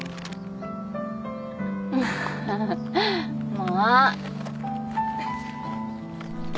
もう。